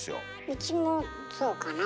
うちもそうかなあ。